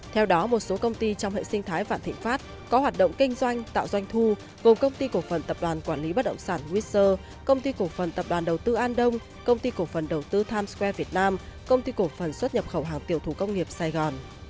theo đó một số công ty trong hệ sinh thái vạn thịnh pháp có hoạt động kinh doanh tạo doanh thu gồm công ty cổ phần tập đoàn quản lý bất động sản witzer công ty cổ phần tập đoàn đầu tư an đông công ty cổ phần đầu tư times square việt nam công ty cổ phần xuất nhập khẩu hàng tiểu thủ công nghiệp sài gòn